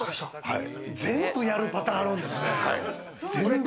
全部やるパターンあるんですね。